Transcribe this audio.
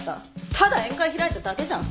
ただ宴会開いただけじゃん。